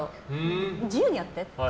自由にやってって。